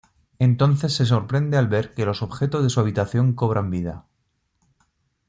Entonces se sorprende al ver que los objetos de su habitación cobran vida.